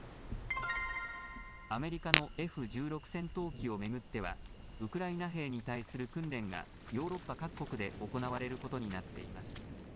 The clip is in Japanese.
アメリカのＦ１６戦闘機を巡ってはウクライナ兵に対する訓練がヨーロッパ各国で行われることになっています。